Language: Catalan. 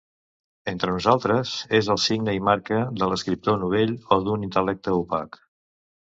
Entre nosaltres és el signe i marca de l'escriptor novell o d'un intel·lecte opac.